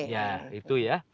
ya itu ya